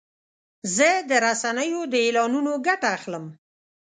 زه د رسنیو د اعلاناتو ګټه اخلم.